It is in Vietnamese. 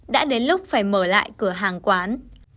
đã đến lúc phải mở lại cửa hàng quán